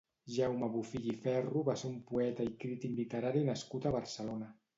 Jaume Bofill i Ferro va ser un poeta i crític literari nascut a Barcelona.